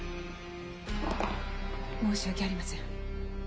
申し訳ありません。